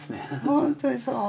本当にそう。